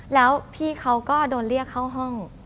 แล้วพี่เขาก็โดนเรียกเข้าห้อง